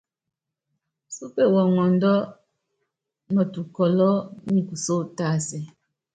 Súpe wɔŋɔndɔ́ nɔtukɔlɔ́ nyi kusó tásɛ.